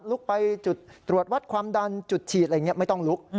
ลุกไปจุดตรวจวัดความดันจุดฉีดอะไรอย่างนี้ไม่ต้องลุก